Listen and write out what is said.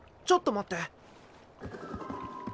ちょっと待って。